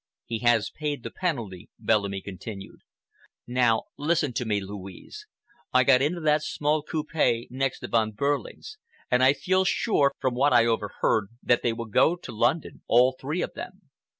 "He has paid the penalty," Bellamy continued. "Now listen to me, Louise. I got into that small coupe next to Von Behrling's, and I feel sure, from what I overheard, that they will go on to London, all three of them."